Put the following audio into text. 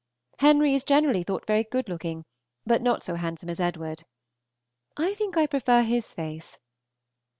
Henry is generally thought very good looking, but not so handsome as Edward. I think I prefer his face.